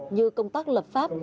như công tác lập pháp